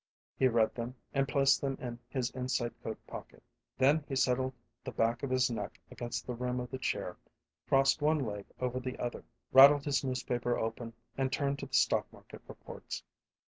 He read them and placed them in his inside coat pocket. Then he settled the back of his neck against the rim of the chair, crossed one leg over the other, rattled his newspaper open, and turned to the stock market reports.